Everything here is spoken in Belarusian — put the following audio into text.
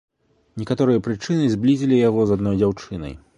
Некаторыя прычыны зблізілі яго з адной дзяўчынай.